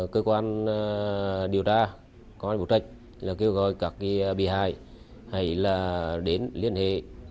cơ quan điều tra công an huyện bố trạch kêu gọi các bị hại đến liên hệ